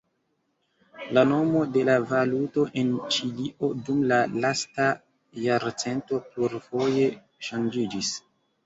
La nomo de la valuto en Ĉilio dum la lasta jarcento plurfoje ŝanĝiĝis.